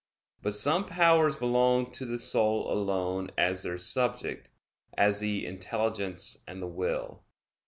But some powers belong to the soul alone as their subject; as the intelligence and the will.